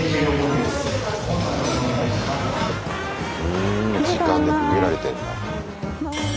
うん時間で区切られてんだ。